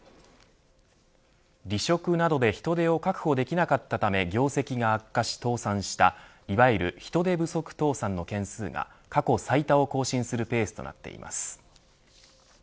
離職などで人手を確保できなかったため業績が悪化し倒産したいわゆる人手不足倒産の件数が過去最多を更新するペースとなっています。